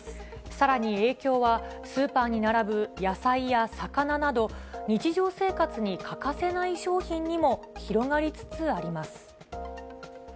さらに影響は、スーパーに並ぶ野菜や魚など、日常生活に欠かせない商品にも広がりつつあります。